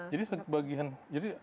jadi sebagian jadi dari ini